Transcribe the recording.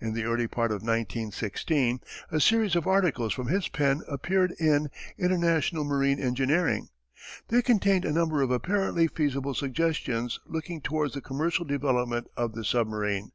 In the early part of 1916 a series of articles from his pen appeared in International Marine Engineering. They contained a number of apparently feasible suggestions looking towards the commercial development of the submarine.